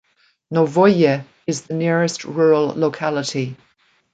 Novoye is the nearest rural locality.